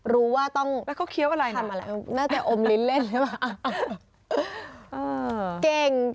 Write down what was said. รู้ว่าต้องทำอะไรน่าจะอมลิ้นเล่นหรือเปล่าเอ่อเก่ง